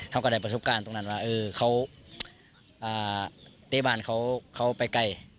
ก็ได้ประสบการณ์ตรงนั้นว่าเทศบาลเขาไปไกล